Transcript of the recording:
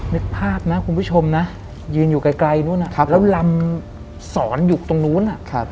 นึกภาพนะคุณผู้ชมนะยืนอยู่ไกลนู้นแล้วลำสอนอยู่ตรงนู้น